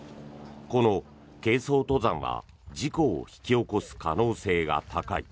この軽装登山は事故を引き起こす可能性が高い。